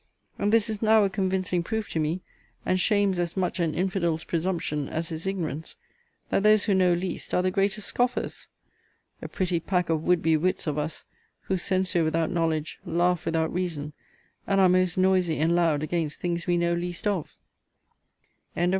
And this is now a convincing proof to me, and shames as much an infidel's presumption as his ignorance, that those who know least are the greatest scoffers. A pretty pack of would be wits of us, who censure without knowledge, laugh without reason, and are most noisy and loud against things we know least of!